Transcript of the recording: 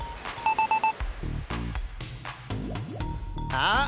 あっ！